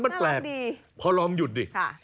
แล้วมันแปลกพอลองหยุดดิ